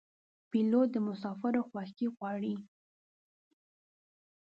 پیلوټ د مسافرو خوښي غواړي.